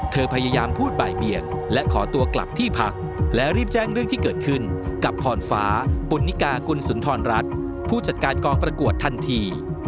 พยายามพูดบ่ายเบียงและขอตัวกลับที่พักและรีบแจ้งเรื่องที่เกิดขึ้นกับพรฟ้าปุณนิกากุลสุนทรรัฐผู้จัดการกองประกวดทันที